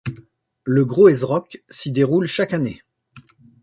Le Groezrock s'y déroule chaque année.